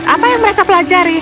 apa yang mereka pelajari